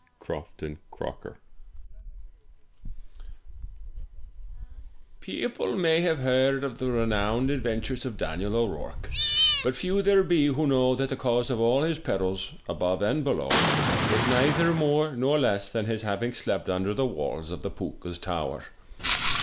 Crofton Croker EOPLE may have heard of the renowned adventures of Daniel 0*Rourke, but few there be who know that the cause of all his perils, above and below, was neither more nor less than his having slept under the walls of the Pooka's Tower.